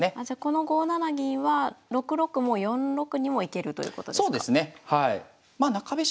じゃこの５七銀は６六も４六にも行けるということですか？